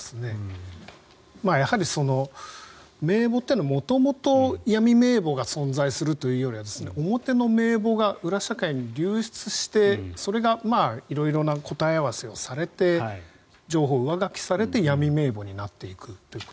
やはり、名簿ってのは元々、闇名簿が存在するというよりは表の名簿が裏社会に流出してそれが色々な答え合わせをされて情報を上書きされて闇名簿になっていくと。